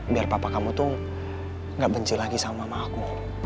biar papa kamu tuh gak benci lagi sama mama aku